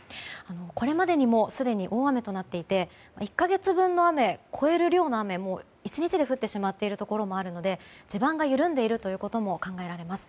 これまでにもすでに大雨となっていて１か月分を超える量の雨が１日で降ってしまったところもあるので地盤が緩んでいるということも考えられます。